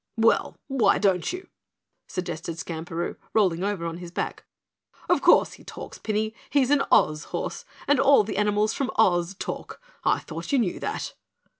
"Well, why don't you?" suggested Skamperoo, rolling over on his back. "Of course he talks, Pinny; he's an Oz horse, and all animals from Oz talk. I thought you knew that."